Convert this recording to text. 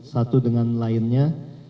satu dengan lainnya